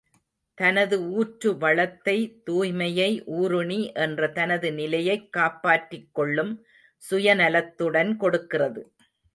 தனது ஊற்று வளத்தை, தூய்மையை, ஊருணி என்ற தனது நிலையைக் காப்பாற்றிக் கொள்ளும் சுயநலத்துடன் கொடுக்கிறது.